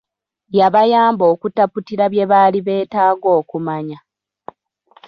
Yabayamba okutaputira bye baali beetaaga okumanya.